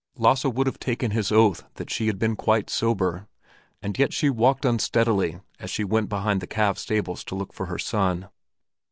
Lasse would have taken his oath that she had been quite sober, and yet she walked unsteadily as she went behind the calves' stables to look for her son.